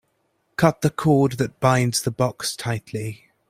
Cut the cord that binds the box tightly.